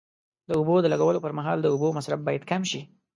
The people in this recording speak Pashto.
د اوبو د لګولو پر مهال د اوبو مصرف باید کم شي.